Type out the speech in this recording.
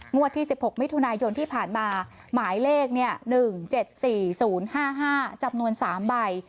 ที่๑๖มิถุนายนที่ผ่านมาหมายเลข๑๗๔๐๕๕จำนวน๓ใบ